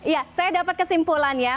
ya saya dapat kesimpulannya